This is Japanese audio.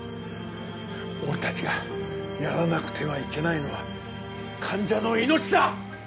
俺達がやらなくてはいけないのは患者の命だ！